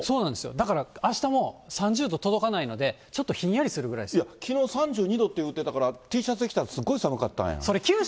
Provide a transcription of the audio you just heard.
だからあしたも３０度届かないので、ちょっとひんやりするぐらいきのう３２度って言うてたから、Ｔシャツで着たら、すごい寒かったん。